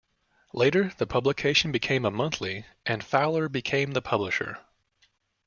Later, the publication became a monthly and Fowler became the publisher.